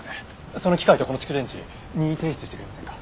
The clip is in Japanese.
その機械とこの蓄電池任意提出してくれませんか？